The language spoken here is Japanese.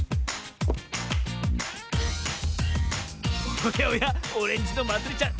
おやおやオレンジのまつりちゃん